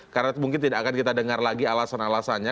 karena mungkin tidak akan kita dengar lagi alasan alasannya